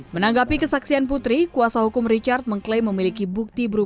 menanggapi kesaksian putri kuasa hukum richard mengklaim memiliki bukti berbohongan yosua utabarat